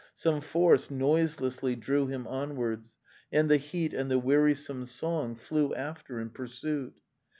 Some force noiselessly drew him onwards, 'and the heat and the wearisome song flew after in pursuit.